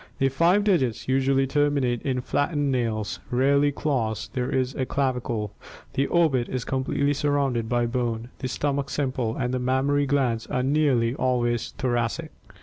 The five digits usually terminate in flattened nails, rarely claws; there is a clavicle, the orbit is com pletely surrounded by bone, the stomach simple, and the mammary glands are nearly always thoracic.